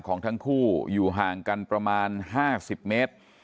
ของทั้งคู่อยู่ห่างกันประมาณ๕๐เมตร